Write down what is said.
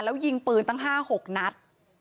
แล้วยิงปืนตั้ง๕๖นัด